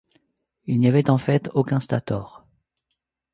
Il n'y avait en fait aucun stator.